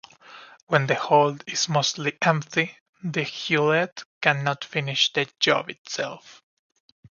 When the hold is mostly empty, the Hulett cannot finish the job itself.